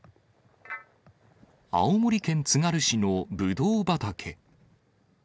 青森県つがる市のぶどう畑。